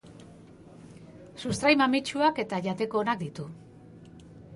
Sustrai mamitsuak eta jateko onak ditu.